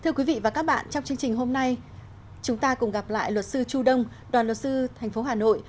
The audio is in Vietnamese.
thưa quý vị và các bạn trong chương trình hôm nay chúng ta cùng gặp lại luật sư chu đông đoàn luật sư thành phố hà nội